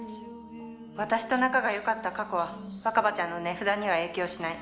私と仲が良かった過去は若葉ちゃんの値札には影響しない。